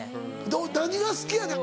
何が好きやねん？